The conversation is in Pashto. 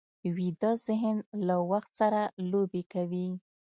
ویده ذهن له وخت سره لوبې کوي